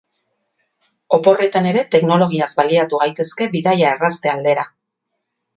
Oporretan ere teknologiaz baliatu gaitezke bidaia errazte aldera.